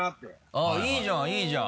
あぁいいじゃんいいじゃん。